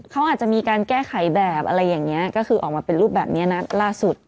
เขาอาจจะมีการแก้ไขแบบอะไรอย่างนี้ก็คือออกมาเป็นรูปแบบนี้นะล่าสุด